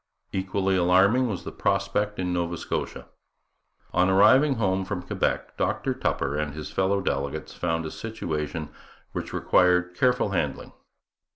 Equally alarming was the prospect in Nova Scotia. On arriving home from Quebec, Dr Tupper and his fellow delegates found a situation which required careful handling.